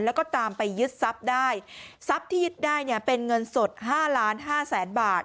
แล้วก็ตามไปยึดทรัพย์ได้ทรัพย์ที่ยึดได้เป็นเงินสด๕๕๐๐๐๐๐บาท